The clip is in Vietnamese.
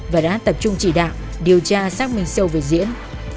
và đã tập trung chỉ đạo điều tra xác minh sâu về diễn